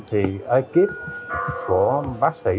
thì ekip của bác sĩ